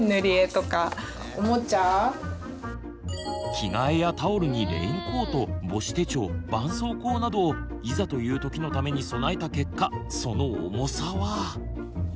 着替えやタオルにレインコート母子手帳ばんそうこうなどいざという時のために備えた結果その重さは。